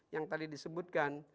yang tadi disebutkan